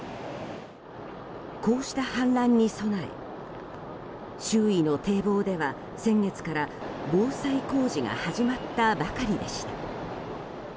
こうした氾濫に備え周囲の堤防では先月から防災工事が始まったばかりでした。